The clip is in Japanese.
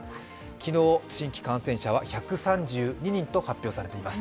昨日、新規感染者は１３２人と発表されています。